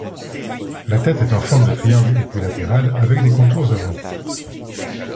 La tête est en forme de triangle équilatéral avec des contours arrondis.